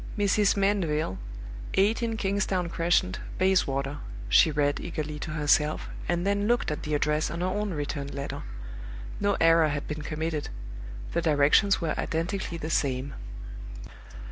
"Mrs. Mandeville, 18 Kingsdown Crescent, Bayswater," she read, eagerly to herself, and then looked at the address on her own returned letter. No error had been committed: the directions were identically the same.